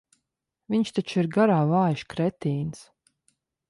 Viņš taču ir garā vājš kretīns.